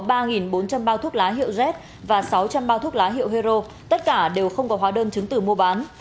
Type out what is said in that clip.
bao thuốc lá hiệu z và sáu trăm linh bao thuốc lá hiệu hero tất cả đều không có hóa đơn chứng từ mua bán